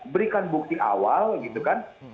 berikan bukti awal gitu kan